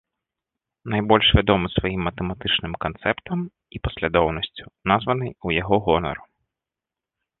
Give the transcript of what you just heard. Найбольш вядомы сваім матэматычным канцэптам, і паслядоўнасцю, названай у яго гонар.